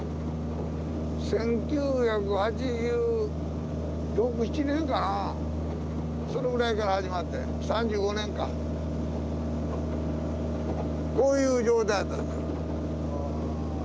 １９８６１９８７年かなそのぐらいから始まって３５年間こういう状態やった。